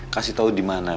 kasih tau dimana